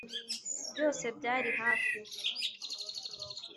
byose byari hafi.